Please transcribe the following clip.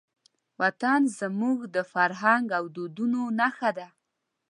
وطن زموږ د فرهنګ او دودونو نښه ده.